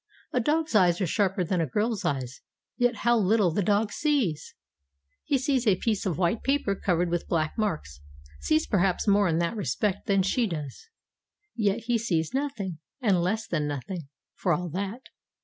A dog's eyes are sharper than a girl's eyes; yet how little the dog sees! He sees a piece of white paper covered with black marks sees perhaps more in that respect than she does yet he sees nothing, and less than nothing, for all that.